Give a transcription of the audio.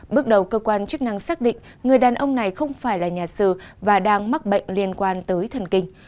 bước đầu cơ quan chức năng xác định người đàn ông này không phải là nhà sư và đang mắc bệnh liên quan tới thần kinh